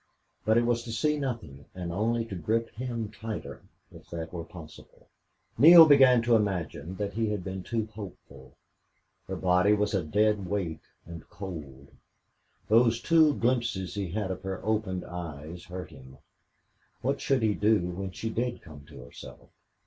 But it was to see nothing and only to grip him tighter, if that were possible. Neale began to imagine that he had been too hopeful. Her body was a dead weight and cold. Those two glimpses he had of her opened eyes hurt him. What should he do when she did come to herself?